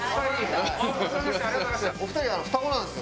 お二人は双子なんですよ。